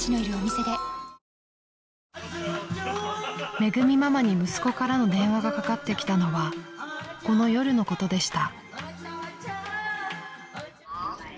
［めぐみママに息子からの電話がかかってきたのはこの夜のことでした］